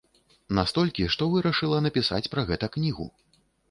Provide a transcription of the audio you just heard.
Настолькі, што вырашыла напісаць пра гэта кнігу.